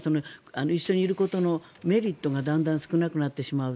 一緒にいることのメリットがだんだん少なくなってしまう。